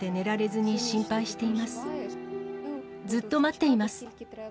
ずっと待っています。